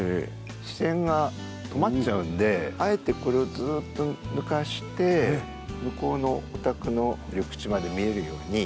視線が止まっちゃうんであえてこれをずっと抜かして向こうのお宅の緑地まで見えるように。